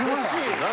何？